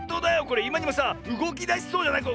これいまにもさうごきだしそうじゃない？